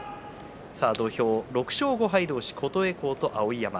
土俵は６勝５敗同士琴恵光と碧山。